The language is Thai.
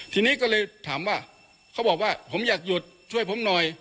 ทีนี้ก็เลยถามว่าเขาบอกว่าผมอยากหยุดช่วยผมหน่อย